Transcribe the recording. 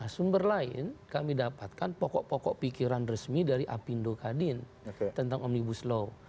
sumber lain kami dapatkan pokok pokok pikiran resmi dari apindo kadin tentang omnibus law